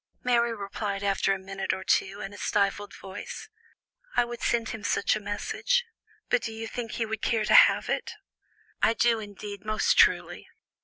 Mary replied after a minute or two, in a stifled voice: "I would send him such a message, but do you think he would care to have it?" "I do, indeed, most truly.